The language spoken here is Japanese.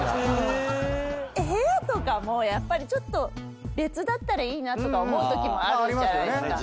部屋とかもやっぱりちょっと別だったらいいなとか思うときもあるじゃないですか。